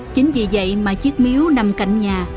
chính vì vậy mà chiếc miếu nằm cạnh nhà